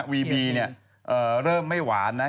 วีบีเนี่ยเริ่มไม่หวานนะ